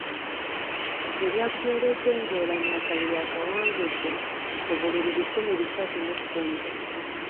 Gye byaggweeredde nga Oulanyah akalulu akawangudde ku bululu ebikumi bisatu mu kkumi.